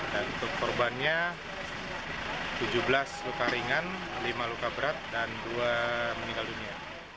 dan untuk korbannya tujuh belas luka ringan lima luka berat dan dua meninggal dunia